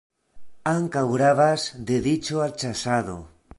Ankaŭ gravas dediĉo al ĉasado.